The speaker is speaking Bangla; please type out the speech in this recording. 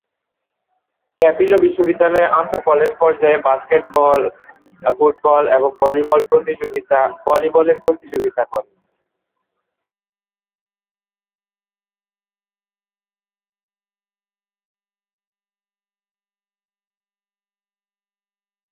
ক্যাপিলো বিশ্ববিদ্যালয় আন্তঃকলেজ পর্যায়ে বাস্কেটবল, ফুটবল এবং ভলিবলে প্রতিযোগিতা করে।